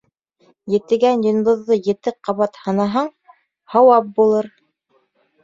Етегән йондоҙҙо ете ҡабат һанаһаң, һауап булыр.